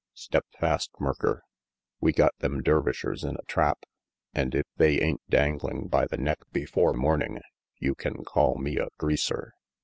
Step fast, Merker. We got them Dervishers in a trap, and if they ain't dangling by the neck before morning you can call me a greaser."